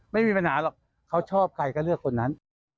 ไม่มีปัญหาหรอกเขาชอบใครก็เลือกคนนั้น